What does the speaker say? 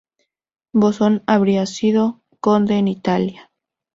Bosón habría sido conde en Italia.